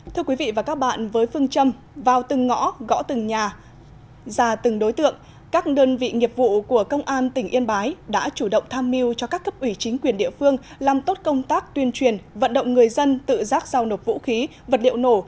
thưa quý vị và các bạn với phương châm vào từng ngõ gõ từng nhà ra từng đối tượng các đơn vị nghiệp vụ của công an tỉnh yên bái đã chủ động tham mưu cho các cấp ủy chính quyền địa phương làm tốt công tác tuyên truyền vận động người dân tự giác giao nộp vũ khí vật liệu nổ